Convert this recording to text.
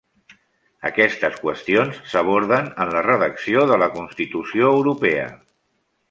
Aquestes qüestions s'aborden en la redacció de la Constitució Europea.